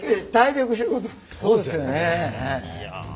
そうですよね。